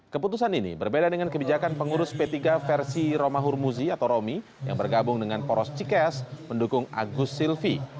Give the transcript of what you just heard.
keputusan ini berbeda dengan kebijakan pengurus p tiga versi romahur muzi atau romi yang bergabung dengan poros cikes mendukung agus silvi